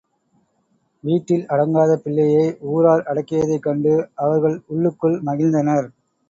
வீட்டில் அடங்காத பிள்ளையை ஊரார் அடக்கியதைக் கண்டு அவர்கள் உள்ளுக்குள் மகிழ்ந்தனர்.